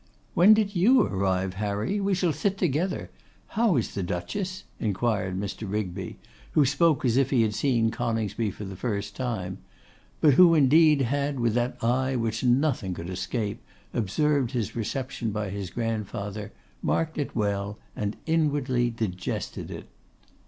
'When did you arrive, Harry? We shall sit together. How is the Duchess?' inquired Mr. Rigby, who spoke as if he had seen Coningsby for the first time; but who indeed had, with that eye which nothing could escape, observed his reception by his grandfather, marked it well, and inwardly digested it.